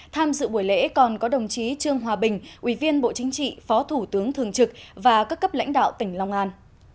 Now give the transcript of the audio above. tham dự buổi lễ còn có đồng chí trương hòa bình ủy viên bộ chính trị phó thủ tướng thường trực và các cấp lãnh đạo tỉnh long an